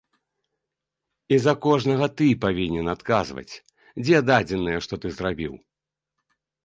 І за кожнага ты павінен адказваць, дзе дадзеныя, што ты зрабіў.